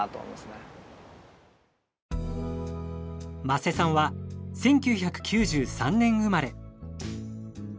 間瀬さんは１９９３年生まれ。